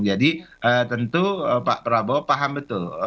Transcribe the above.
jadi tentu pak prabowo paham betul